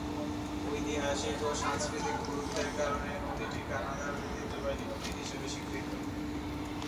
ঐতিহাসিক ও সাংস্কৃতিক গুরুত্বের কারণে নদীটি কানাডার ঐতিহ্যবাহী নদী হিসেবে স্বীকৃত।